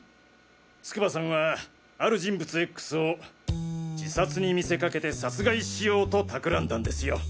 筑波さんはある人物「Ｘ」を自殺に見せかけて殺害しようと企んだんですよ！